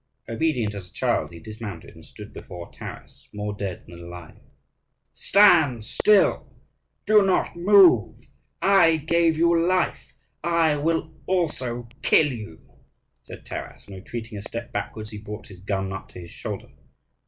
Obedient as a child, he dismounted, and stood before Taras more dead than alive. "Stand still, do not move! I gave you life, I will also kill you!" said Taras, and, retreating a step backwards, he brought his gun up to his shoulder.